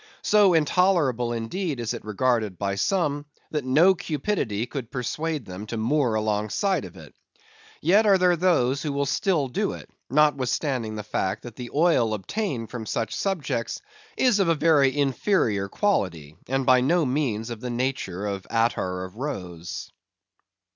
So intolerable indeed is it regarded by some, that no cupidity could persuade them to moor alongside of it. Yet are there those who will still do it; notwithstanding the fact that the oil obtained from such subjects is of a very inferior quality, and by no means of the nature of attar of rose.